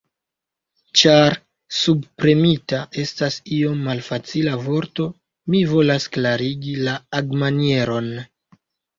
Ĉar 'subpremita' estas iom malfacila vorto, mi volas klarigi la agmanieron.